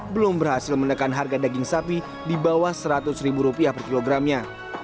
belum berhasil menekan harga daging sapi di bawah seratus ribu rupiah per kilogramnya